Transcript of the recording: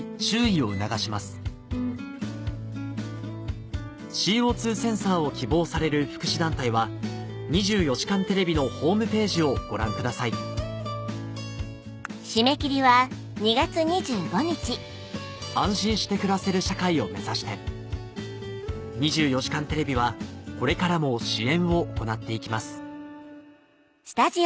注意を促しますＣＯセンサーを希望される福祉団体は『２４時間テレビ』のホームページをご覧ください安心して暮らせる社会を目指して『２４時間テレビ』はこれからも支援を行っていきます